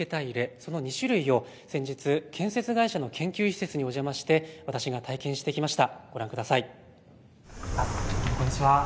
その２種類を先日、建設会社の研究施設にお邪魔して私が体験してきました。